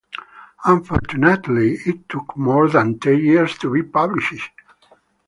Unfortunately it took more than ten years to be published.